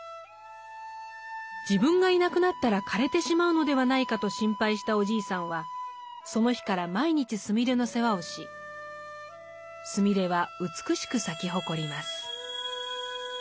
自分がいなくなったら枯れてしまうのではないかと心配したおじいさんはその日から毎日スミレの世話をしスミレは美しく咲き誇ります。